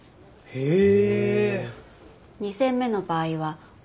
へえ。